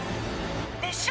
熱唱！